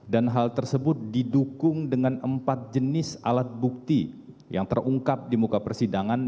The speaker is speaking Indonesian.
dan hal tersebut didukung dengan empat jenis alat bukti yang terungkap di muka persidangan